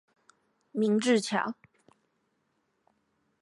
明治橋